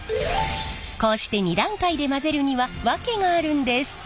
こうして２段階で混ぜるには訳があるんです。